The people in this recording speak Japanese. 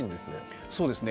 そうですね。